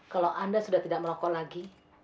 kalau anda sudah tidak merokok lagi